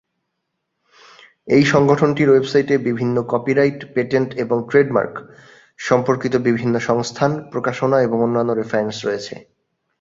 এই সংগঠনটির ওয়েবসাইটে বিভিন্ন কপিরাইট, পেটেন্ট এবং ট্রেডমার্ক সম্পর্কিত বিভিন্ন সংস্থান, প্রকাশনা এবং অন্যান্য রেফারেন্স রয়েছে।